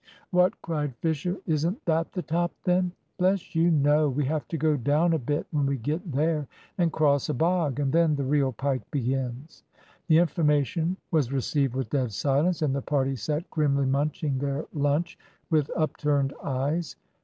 "What," cried Fisher, "isn't that the top then?" "Bless you, no. We have to go down a bit when we get there, and cross a bog, and then the real pike begins." The information was received with dead silence, and the party sat grimly munching their lunch with upturned eyes.